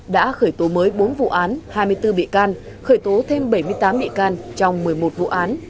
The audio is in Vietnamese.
đã khởi tố mới bốn vụ án hai mươi bốn bị can khởi tố thêm bảy mươi tám bị can trong một mươi một vụ án